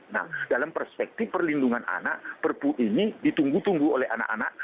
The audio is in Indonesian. nah dalam perspektif perlindungan anak perpu ini ditunggu tunggu oleh anak anak